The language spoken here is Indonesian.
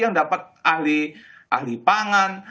yang dapat ahli pangan